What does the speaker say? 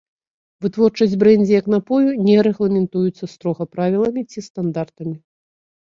Вытворчасць брэндзі як напою не рэгламентуецца строга правіламі ці стандартамі.